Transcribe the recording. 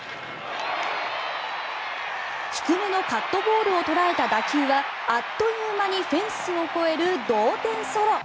低めのカットボールを捉えた打球はあっという間にフェンスを越える同点ソロ。